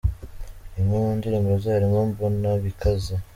Imwe mu ndirimbo ze harimo ‘Mbona bikaze’.